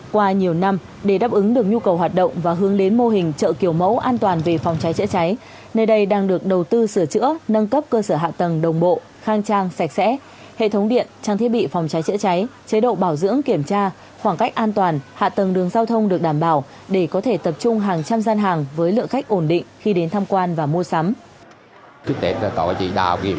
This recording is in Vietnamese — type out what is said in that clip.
qua nhiều năm để đáp ứng được nhu cầu hoạt động và hướng lến mô hình chợ kiểu mẫu an toàn về phòng cháy chữa cháy nơi đây đang được đầu tư sửa chữa nâng cấp cơ sở hạ tầng đồng bộ khang trang sạch sẽ hệ thống điện trang thiết bị phòng cháy chữa cháy chế độ bảo dưỡng kiểm tra khoảng cách an toàn hạ tầng đường giao thông được đảm bảo để có thể tập trung hàng trăm gian hàng với lượng khách ổn định khi đến thăm quan và mua sắm